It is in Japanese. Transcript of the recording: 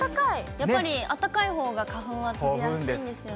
やっぱりあったかいほうが花粉は飛びやすいんですよね。